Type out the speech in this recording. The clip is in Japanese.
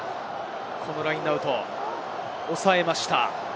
ラインアウト、抑えました。